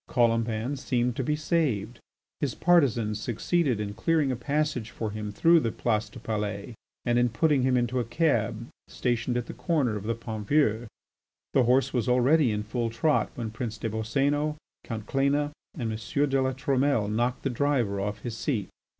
Colomban seemed to be saved; his partisans succeeded in clearing a passage for him through the Place du Palais and in putting him into a cab stationed at the corner of the Pont Vieux. The horse was already in full trot when Prince des Boscénos, Count Cléna, and M. de La Trumelle knocked the driver off his seat.